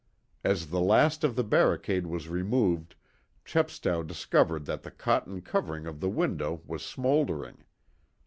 As the last of the barricade was removed Chepstow discovered that the cotton covering of the window was smouldering.